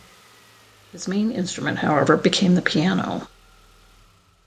His main instrument, however, became the piano.